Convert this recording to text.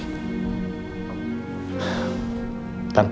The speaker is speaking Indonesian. kamu untuk belajar naik sepeda sendiri